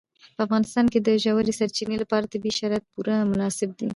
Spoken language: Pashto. په افغانستان کې د ژورې سرچینې لپاره طبیعي شرایط پوره مناسب دي.